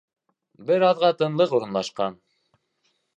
Бер аҙға тынлыҡ урынлашҡан.